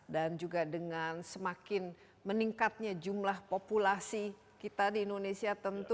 dan juga dengan semakin meningkatnya jumlah populasi kita di indonesia tentu